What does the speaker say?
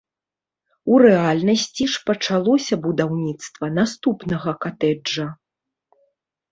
У рэальнасці ж пачалося будаўніцтва наступнага катэджа.